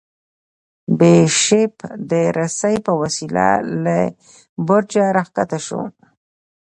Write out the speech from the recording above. بیشپ د رسۍ په وسیله له برجه راکښته شو.